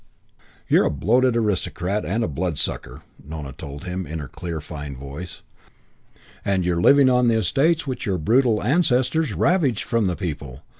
"You're a bloated aristocrat and a bloodsucker," Nona told him in her clear, fine voice. "And you're living on estates which your brutal ancestors ravaged from the people.